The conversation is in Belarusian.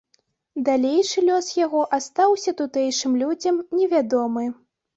Далейшы лёс яго астаўся тутэйшым людзям невядомы.